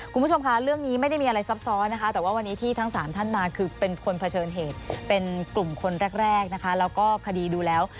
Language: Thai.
คุณผู้ชมค่ะเรื่องนี้ไม่ได้มีอะไรซับซ้อนนะคะแต่ว่าวันนี้ที่ทั้งสามท่านมาคือเป็นคนเผชิญเหตุเป็นกลุ่มคนแรกนะคะแล้วก็คดีดูแล้ว